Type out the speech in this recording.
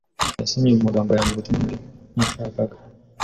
Yasomye mumagambo yanjye ubutumwa ntari nashakaga.